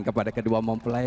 kepada kedua mempelai